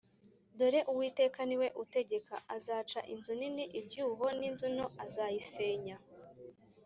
“Dore Uwiteka ni we utegeka, azaca inzu nini ibyuho n’inzu nto azayisenya.